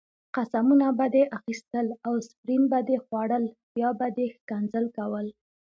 قسمونه به دې اخیستل او اسپرین به دې خوړل، بیا به دې ښکنځل کول.